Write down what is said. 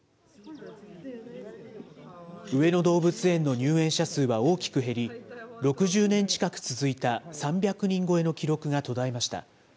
上野動物園の入園者数は大きく減り、６０年近く続いた３００人超えの記録が途絶えました。